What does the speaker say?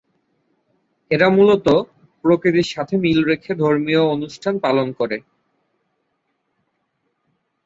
এরা মূলত: প্রকৃতির সাথে মিল রেখে ধর্মীয় অনুষ্ঠান পালন করে।